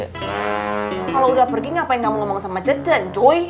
kalau udah pergi ngapain kamu ngomong sama jacen cuy